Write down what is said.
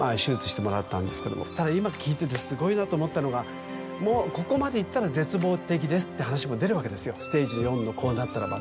ただ今聞いててすごいなと思ったのが「もう」。って話も出るわけですよステージ４のこうなったらば。